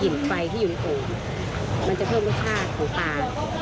กลิ่นไฟที่ยุนโอ่งมันจะเพิ่มรสชาติของปลา